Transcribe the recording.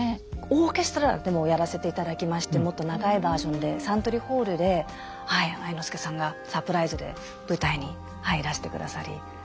オーケストラでもやらせていただきましてもっと長いバージョンでサントリーホールで愛之助さんがサプライズで舞台にいらしてくださり。